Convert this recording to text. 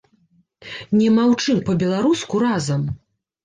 Не маўчым па-беларуску разам!